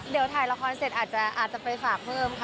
เดี๋ยวถ่ายละครเสร็จอาจจะไปฝากเพิ่มค่ะ